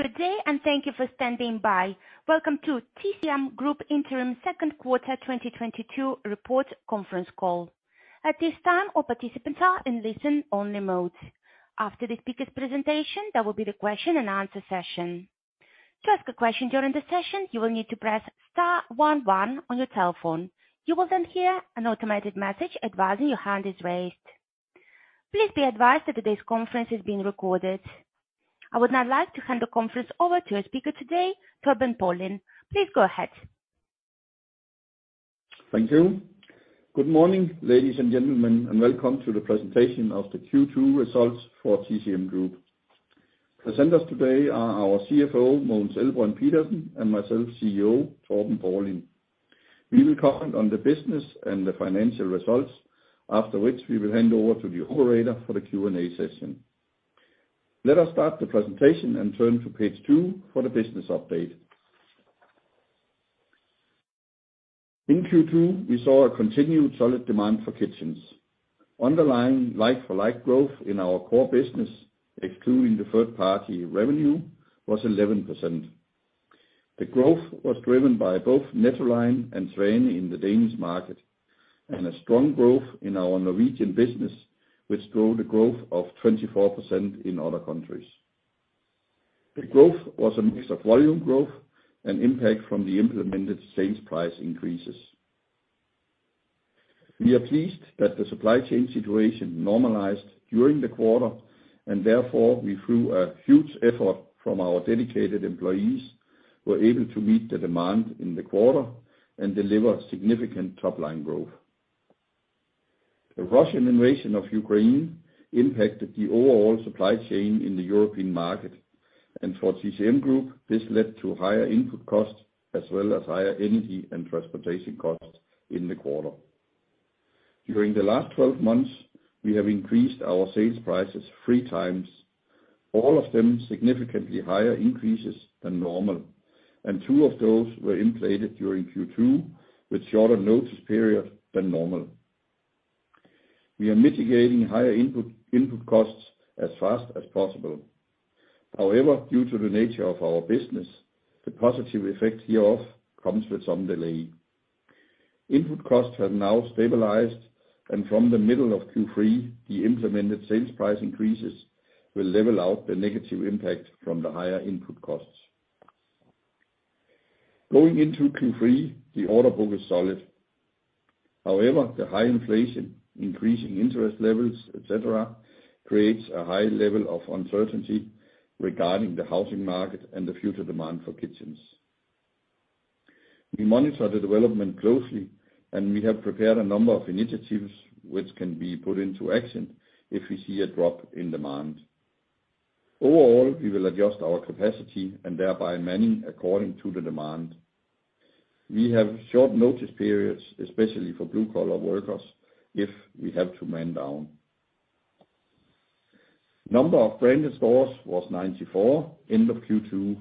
Good day, and thank you for standing by. Welcome to TCM Group Interim Second Quarter 2022 Report Conference Call. At this time, all participants are in listen only mode. After the speaker's presentation, there will be the question and answer session. To ask a question during the session, you'll need to press star one one on your telephone. You will then hear an automated message advising your hand is raised. Please be advised that today's conference is being recorded. I would now like to hand the conference over to our speaker today, Torben Paulin. Please go ahead. Thank you. Good morning, ladies and gentlemen, and welcome to the presentation of the Q2 results for TCM Group. Presenters today are our CFO, Mogens Elbrønd Pedersen, and myself, CEO, Torben Paulin. We will comment on the business and the financial results, after which we will hand over to the operator for the Q&A session. Let us start the presentation and turn to page 2 for the business update. In Q2, we saw a continued solid demand for kitchens. Underlying like-for-like growth in our core business, excluding the third-party revenue, was 11%. The growth was driven by both Nettoline and Svane in the Danish market, and a strong growth in our Norwegian business, which drove the growth of 24% in other countries. The growth was a mix of volume growth and impact from the implemented sales price increases. We are pleased that the supply chain situation normalized during the quarter. Therefore, we, through a huge effort from our dedicated employees, were able to meet the demand in the quarter and deliver significant top-line growth. The Russian invasion of Ukraine impacted the overall supply chain in the European market. For TCM Group, this led to higher input costs as well as higher energy and transportation costs in the quarter. During the last 12 months, we have increased our sales prices three times, all of them significantly higher increases than normal. Two of those were inflated during Q2 with shorter notice period than normal. We are mitigating higher input costs as fast as possible. However, due to the nature of our business, the positive effect hereof comes with some delay. Input costs have now stabilized, and from the middle of Q3, the implemented sales price increases will level out the negative impact from the higher input costs. Going into Q3, the order book is solid. However, the high inflation, increasing interest levels, et cetera, creates a high level of uncertainty regarding the housing market and the future demand for kitchens. We monitor the development closely, and we have prepared a number of initiatives which can be put into action if we see a drop in demand. Overall, we will adjust our capacity, and thereby manning, according to the demand. We have short notice periods, especially for blue-collar workers, if we have to man down. Number of branded stores was 94 end of Q2.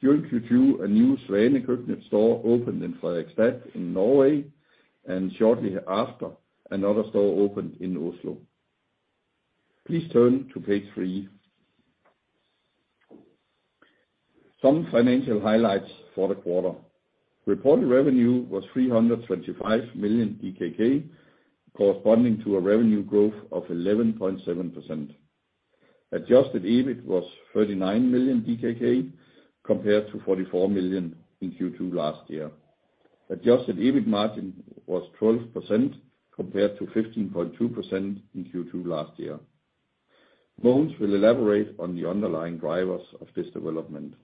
During Q2, a new Svane Køkkenet store opened in Fredrikstad in Norway, and shortly after, another store opened in Oslo. Please turn to page 3. Some financial highlights for the quarter. Reported revenue was 325 million DKK, corresponding to a revenue growth of 11.7%. Adjusted EBIT was 39 million DKK, compared to 44 million DKK in Q2 last year. Adjusted EBIT margin was 12%, compared to 15.2% in Q2 last year. Mogens will elaborate on the underlying drivers of this development.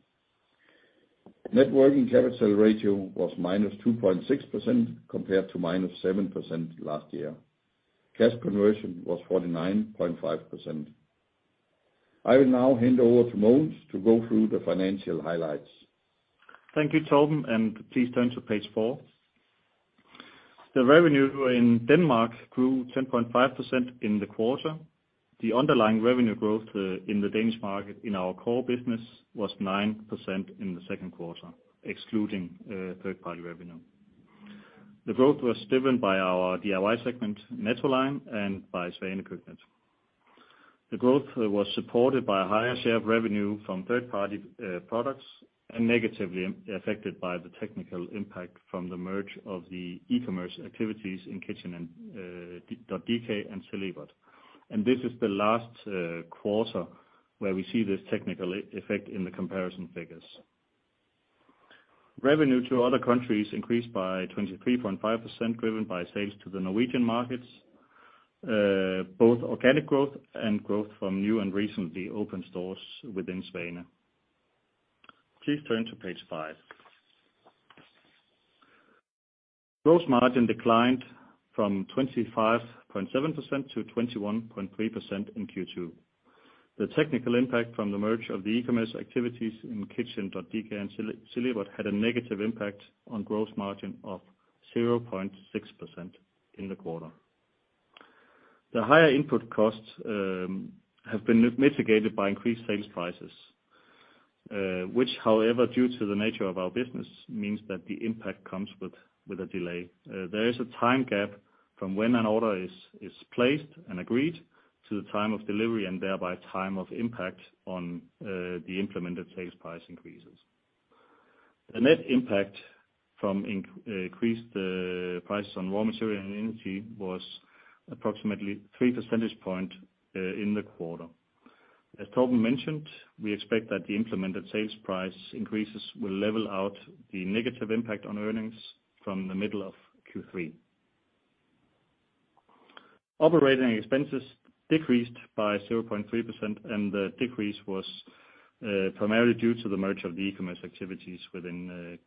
Net working capital ratio was -2.6%, compared to -7% last year. Cash conversion was 49.5%. I will now hand over to Mogens to go through the financial highlights. Thank you, Torben. Please turn to page 4. The revenue in Denmark grew 10.5% in the quarter. The underlying revenue growth in the Danish market in our core business was 9% in the second quarter, excluding third-party revenue. The growth was driven by our DIY segment, Nettoline, and by Svane Køkkenet. The growth was supported by a higher share of revenue from third-party products and negatively affected by the technical impact from the merge of the e-commerce activities in køkken.dk and Silvan. This is the last quarter where we see this technical effect in the comparison figures. Revenue to other countries increased by 23.5%, driven by sales to the Norwegian markets, both organic growth and growth from new and recently opened stores within Svane. Please turn to page five. Gross margin declined from 25.7% to 21.3% in Q2. The technical impact from the merge of the e-commerce activities in køkken.dk and Silvan had a negative impact on gross margin of 0.6% in the quarter. The higher input costs have been mitigated by increased sales prices, which, however, due to the nature of our business, means that the impact comes with a delay. There is a time gap from when an order is placed and agreed to the time of delivery, and thereby time of impact on the implemented sales price increases. The net impact from increased prices on raw material and energy was approximately three percentage point in the quarter. As Torben mentioned, we expect that the implemented sales price increases will level out the negative impact on earnings from the middle of Q3. Operating expenses decreased by 0.3%. The decrease was primarily due to the merger of the e-commerce activities within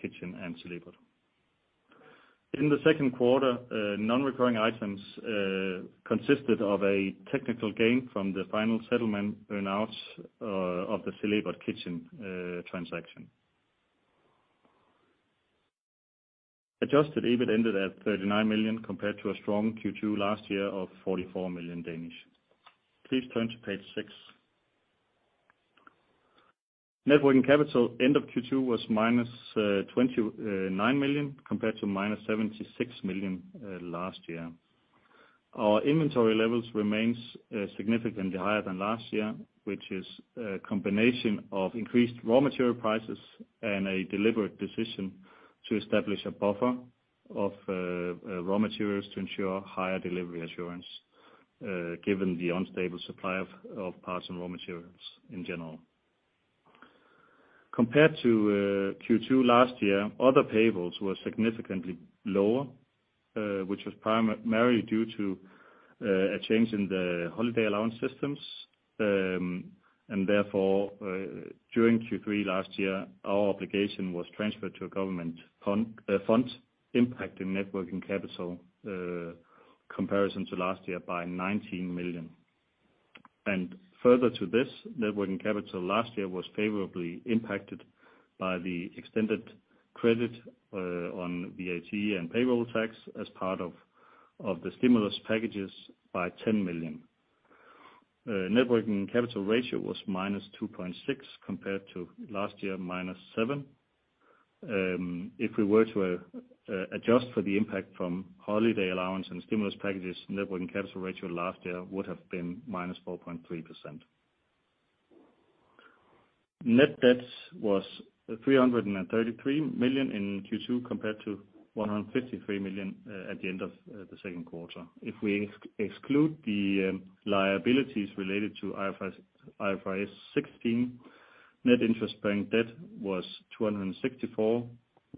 køkken.dk and Silvan. In the second quarter, non-recurring items consisted of a technical gain from the final settlement earn-outs of the Silvan-køkken.dk transaction. Adjusted EBIT ended at 39 million compared to a strong Q2 last year of 44 million. Please turn to page 6. Net working capital end of Q2 was minus 29 million compared to minus 76 million last year. Our inventory levels remains significantly higher than last year, which is a combination of increased raw material prices and a deliberate decision to establish a buffer of raw materials to ensure higher delivery assurance, given the unstable supply of parts and raw materials in general. Compared to Q2 last year, other payables were significantly lower, which was primarily due to a change in the holiday allowance systems. Therefore, during Q3 last year, our obligation was transferred to a government fund, impacting net working capital comparison to last year by 19 million. Further to this, net working capital last year was favorably impacted by the extended credit on VAT and payroll tax as part of the stimulus packages by 10 million. Net working capital ratio was -2.6% compared to last year, -7%. If we were to adjust for the impact from holiday allowance and stimulus packages, net working capital ratio last year would have been -4.3%. Net debt was 333 million in Q2 compared to 153 million at the end of the second quarter. If we exclude the liabilities related to IFRS 16, net interest-bearing debt was 264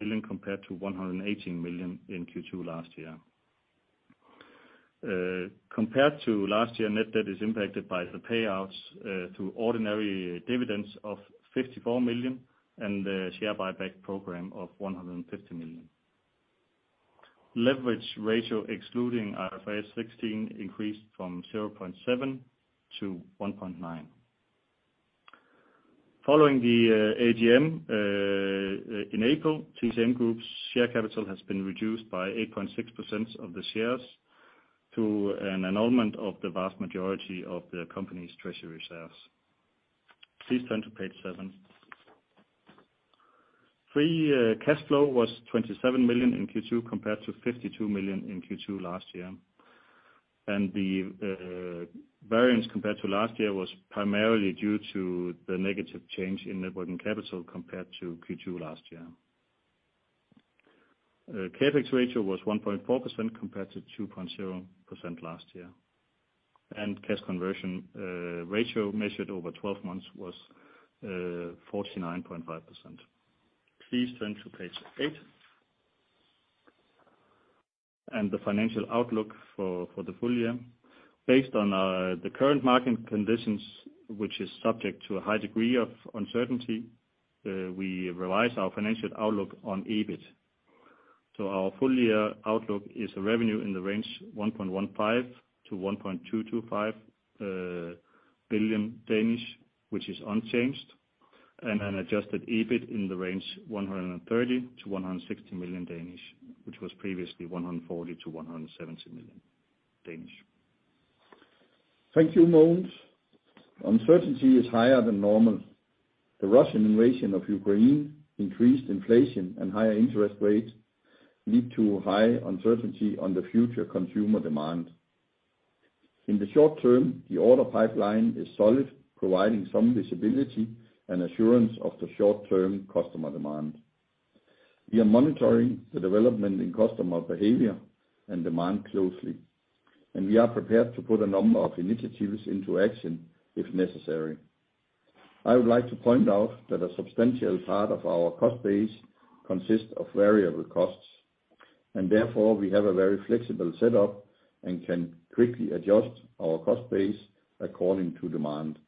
million compared to 118 million in Q2 last year. Compared to last year, net debt is impacted by the payouts through ordinary dividends of 54 million and the share buyback program of 150 million. Leverage ratio excluding IFRS 16 increased from 0.7 to 1.9. Following the AGM, in April, TCM Group's share capital has been reduced by 8.6% of the shares to an annulment of the vast majority of the company's treasury shares. Please turn to page 7. Free cash flow was 27 million in Q2 compared to 52 million in Q2 last year. The variance compared to last year was primarily due to the negative change in net working capital compared to Q2 last year. CapEx ratio was 1.4% compared to 2.0% last year. Cash conversion ratio measured over 12 months was 49.5%. Please turn to page 8. The financial outlook for the full year. Based on the current market conditions, which is subject to a high degree of uncertainty, we revise our financial outlook on EBIT. Our full-year outlook is a revenue in the range 1.15 billion-1.225 billion, which is unchanged, and an adjusted EBIT in the range 130 million-160 million, which was previously 140 million-170 million. Thank you. Thank you, Mogens. Uncertainty is higher than normal. The Russian invasion of Ukraine, increased inflation, and higher interest rates lead to high uncertainty on the future consumer demand. In the short term, the order pipeline is solid, providing some visibility and assurance of the short-term customer demand. We are monitoring the development in customer behavior and demand closely, and we are prepared to put a number of initiatives into action if necessary. I would like to point out that a substantial part of our cost base consists of variable costs, and therefore, we have a very flexible setup and can quickly adjust our cost base according to demand,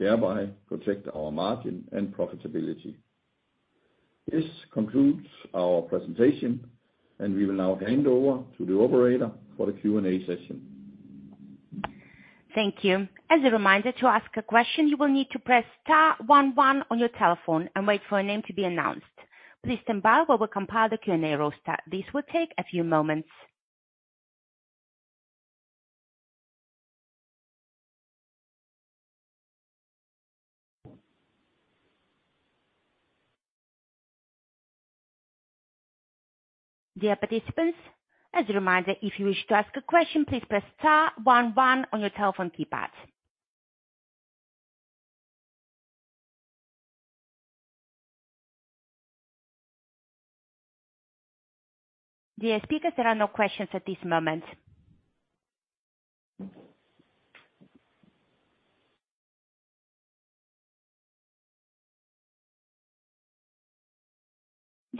thereby protect our margin and profitability. This concludes our presentation, and we will now hand over to the operator for the Q&A session. Thank you. As a reminder, to ask a question, you will need to press star one one on your telephone and wait for a name to be announced. Please stand by while we compile the Q&A roster. This will take a few moments. Dear participants, as a reminder, if you wish to ask a question, please press star one one on your telephone keypad. Dear speakers, there are no questions at this moment.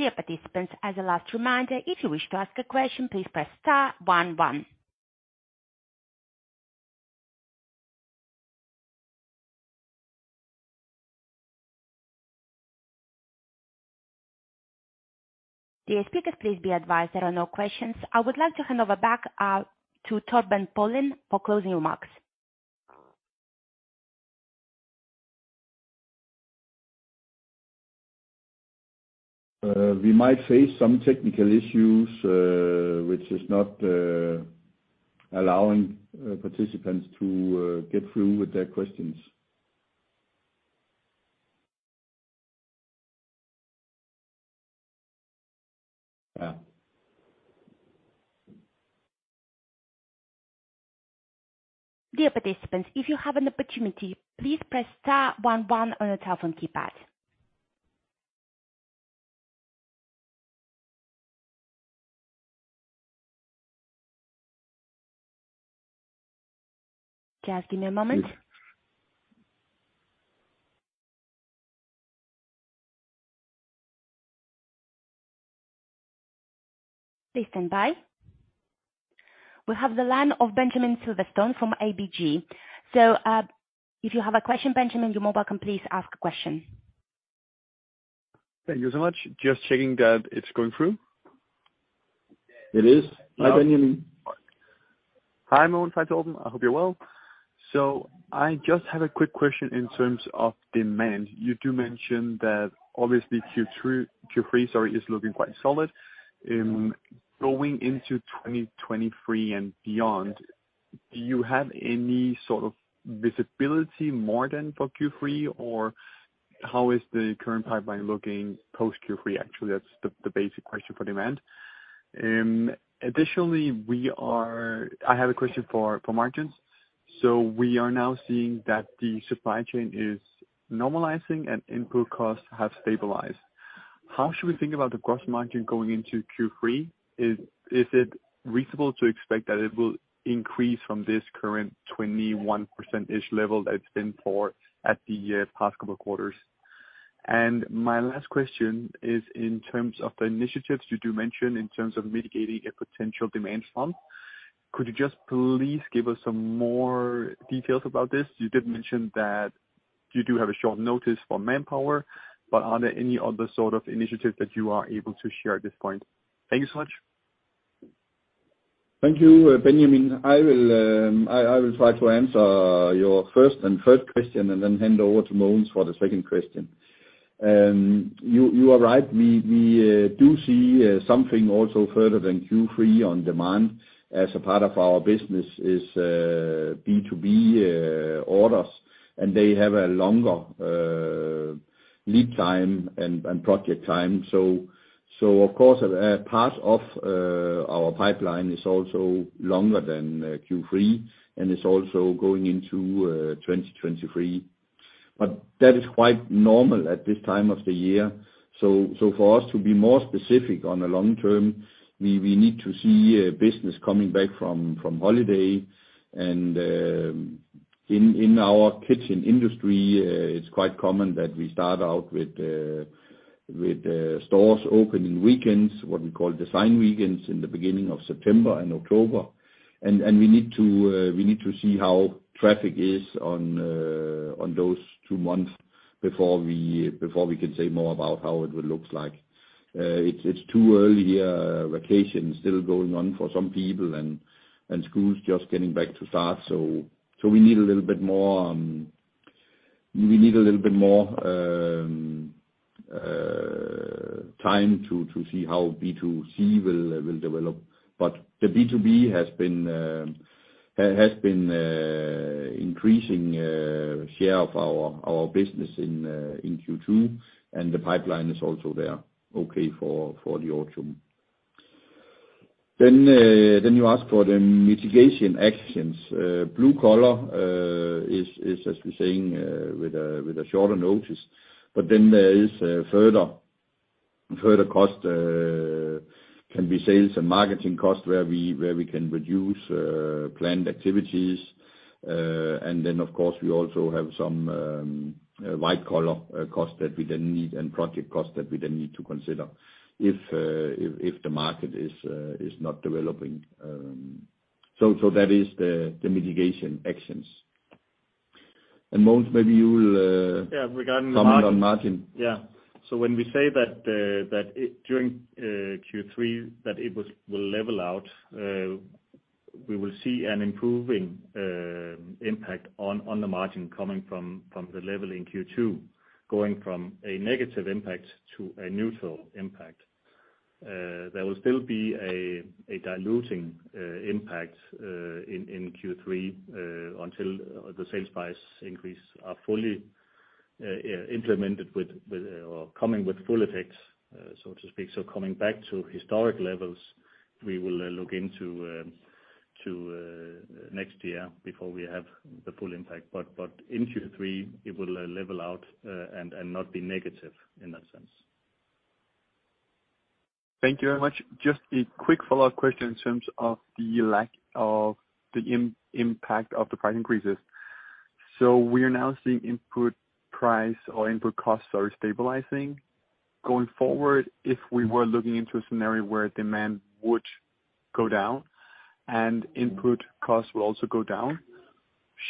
Dear participants, as a last reminder, if you wish to ask a question, please press star one one. Dear speakers, please be advised there are no questions. I would like to hand over back to Torben Paulin for closing remarks. We might face some technical issues, which is not allowing participants to get through with their questions. Dear participants, if you have an opportunity, please press star one one on your telephone keypad. We have the line of Benjamin Silverstone from ABG. If you have a question, Benjamin, you may well can please ask a question. Thank you so much. Just checking that it's going through. It is. Hi, Benjamin. Hi, Mogens, hi, Torben. I hope you're well. I just have a quick question in terms of demand. You do mention that obviously Q3 is looking quite solid. In going into 2023 and beyond, do you have any sort of visibility more than for Q3, or how is the current pipeline looking post Q3? Actually, that's the basic question for demand. Additionally, I have a question for margins. We are now seeing that the supply chain is normalizing and input costs have stabilized. How should we think about the gross margin going into Q3? Is it reasonable to expect that it will increase from this current 21%-ish level that it's been for at the past couple of quarters? My last question is in terms of the initiatives you do mention in terms of mitigating a potential demand slump. Could you just please give us some more details about this? You did mention that you do have a short notice for manpower, but are there any other sort of initiatives that you are able to share at this point? Thank you so much. Thank you, Benjamin. I will try to answer your first and third question and then hand over to Mogens for the second question. You are right. We do see something also further than Q3 on demand as a part of our business is B2B orders, and they have a longer lead time and project time. Of course, a part of our pipeline is also longer than Q3, and it's also going into 2023. That is quite normal at this time of the year. For us to be more specific on the long term, we need to see business coming back from holiday. In our kitchen industry, it's quite common that we start out with stores opening weekends, what we call design weekends, in the beginning of September and October. We need to see how traffic is on those two months before we can say more about how it will look like. It's too early. Vacation is still going on for some people, and school is just getting back to start, so we need a little bit more time to see how B2C will develop. The B2B has been increasing share of our business in Q2, and the pipeline is also there okay for the autumn. You ask for the mitigation actions. Blue collar is, as we're saying, with a shorter notice. There is further cost, can be sales and marketing cost, where we can reduce planned activities. Of course, we also have some white collar cost that we then need and project cost that we then need to consider if the market is not developing. That is the mitigation actions. Mogens- Yeah, regarding the margin. -comment on margin. Yeah. When we say that during Q3 that it will level out, we will see an improving impact on the margin coming from the level in Q2, going from a negative impact to a neutral impact. There will still be a diluting impact in Q3 until the sales price increase are fully implemented with or coming with full effects, so to speak. Coming back to historic levels, we will look into next year before we have the full impact. In Q3, it will level out and not be negative in that sense. Thank you very much. Just a quick follow-up question in terms of the lack of the impact of the price increases. We are now seeing input price or input costs are stabilizing. Going forward, if we were looking into a scenario where demand would go down and input costs will also go down,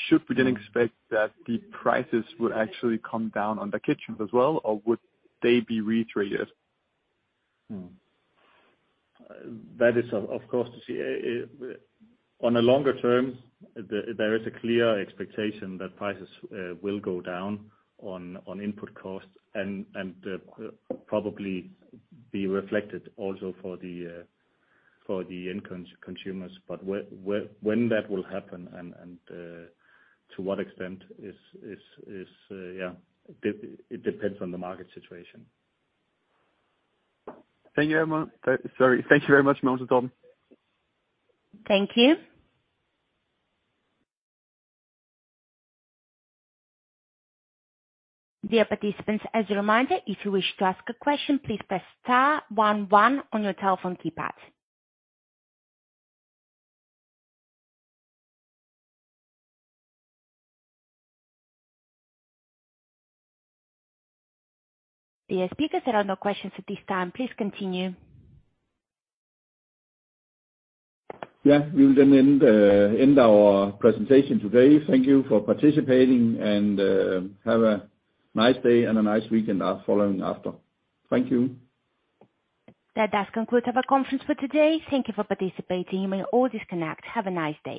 should we then expect that the prices will actually come down on the kitchens as well? Or would they be reiterated? That is, of course, to see. On a longer term, there is a clear expectation that prices will go down on input costs and probably be reflected also for the end consumers. When that will happen and to what extent, it depends on the market situation. Thank you very much, Mogens, Torben. Thank you. Dear participants, as a reminder, if you wish to ask a question, please press star one one on your telephone keypad. Dear speakers, there are no questions at this time. Please continue. Yeah. We will then end our presentation today. Thank you for participating and have a nice day and a nice weekend following after. Thank you. That does conclude our conference for today. Thank you for participating. You may all disconnect. Have a nice day.